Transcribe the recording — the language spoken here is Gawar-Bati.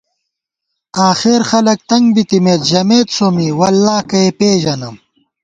آخر خلَک تنگ بِتِمېت ، ژمېت سومّی “واللہ کہ ئے پېژَنم”